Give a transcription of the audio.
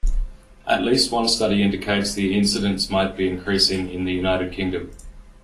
At least one study indicates the incidence might be increasing in the United Kingdom.